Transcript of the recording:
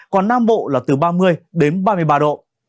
còn nam bộ là từ ba mươi đến ba mươi ba độ